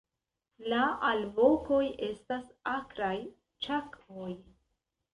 La alvokoj estas akraj "ĉak"'oj.